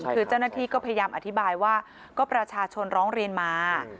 คือเจ้าหน้าที่ก็พยายามอธิบายว่าก็ประชาชนร้องเรียนมา